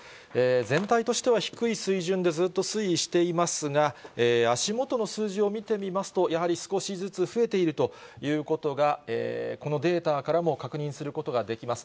全体としては低い水準でずっと推移していますが、足元の数字を見てみますと、やはり少しずつ増えているということが、このデータからも確認することができます。